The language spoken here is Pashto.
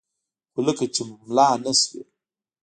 خو لکه چې ملا نه سوې.